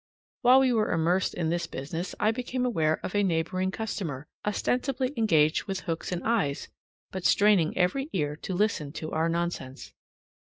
While we were immersed in this business I became aware of a neighboring customer, ostensibly engaged with hooks and eyes, but straining every ear to listen to our nonsense.